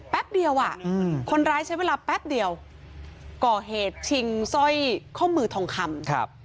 แป๊บเดียวอ่ะคนร้ายใช้เวลาแป๊บเดียวก่อเหตุชิงสร้อยข้อมือทองคำ